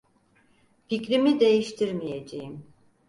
Fikrimi değiştirmeyeceğim.